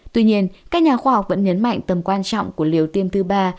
tuy nhiên các nhà khoa học vẫn nhấn mạnh tầm quan trọng của liều tiêm thứ ba